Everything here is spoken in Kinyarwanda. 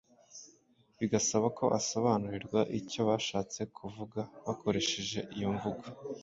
Bigasaba ko asobanurirwa icyo bashatse kuvuga bakoresheje iyo mvugo